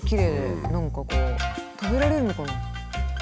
何かこう食べられるのかな？